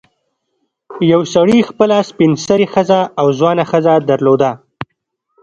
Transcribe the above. یو سړي خپله سپین سرې ښځه او ځوانه ښځه درلوده.